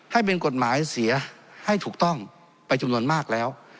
ให้เป็นกฎหมายเสียให้ถูกต้องไปจำนวนมากแล้ว